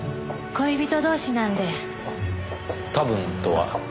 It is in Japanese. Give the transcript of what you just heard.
多分とは？